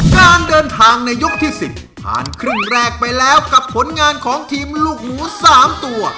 การเดินทางในยกที่๑๐ผ่านครึ่งแรกไปแล้วกับผลงานของทีมลูกหมู๓ตัว